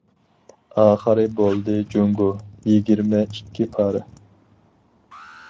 ئاخىرى بولدى جۇڭگو، يىگىرمە ئىككى پارە.